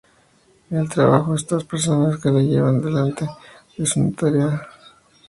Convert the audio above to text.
El trabajo de estas personas que la llevan adelante es una tarea ad honorem.